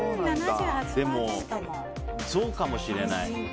でも、そうかもしれない。